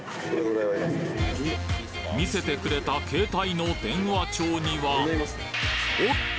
見せてくれた携帯の電話帳にはおっと！